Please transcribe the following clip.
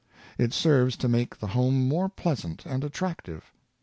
It serves to make the home more pleasant and attractive.